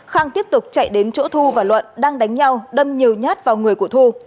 khang tiếp tục chạy đến chỗ thu và luận đang đánh nhau đâm nhiều nhát vào người của thu